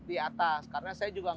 di atas karena saya juga gak mau